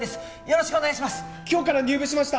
よろしくお願いします。